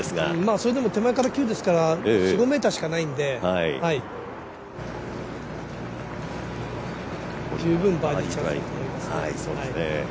それでも手前から９ですから４５ｍしかないんで、十分バーディーチャンスだと思いますね。